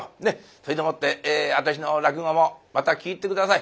それでもって私の落語もまた聴いて下さい。